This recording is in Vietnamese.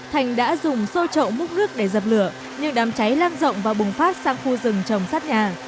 thành đã dùng sô trậu múc nước để dập lửa nhưng đám cháy lan rộng và bùng phát sang khu rừng trồng sát nhà